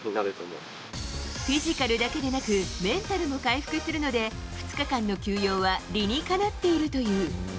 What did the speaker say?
フィジカルだけでなく、メンタルも回復するので、２日間の休養は、理にかなっているという。